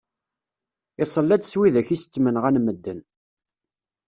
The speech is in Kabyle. Iṣella-d s widak i s ttmenɣan medden.